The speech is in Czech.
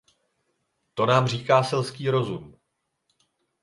To nám říká selský rozum.